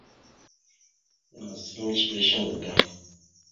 Yan asal mecəle shuŋgo da.